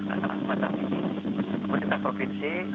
kematian kepada kita provinsi